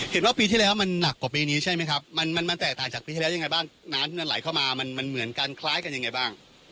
เห็นว่าปีที่แล้วมันหนักกว่าปีนี้ใช่ไหมครับมันมันแตกต่างจากปีที่แล้วยังไงบ้างน้ำที่มันไหลเข้ามามันเหมือนกันคล้ายกันยังไงบ้าง